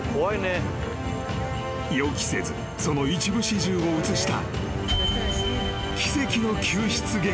［予期せずその一部始終を映した］